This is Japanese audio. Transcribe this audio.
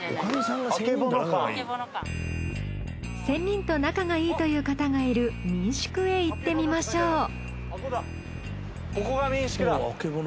仙人と仲がいいという方がいる民宿へ行ってみましょう。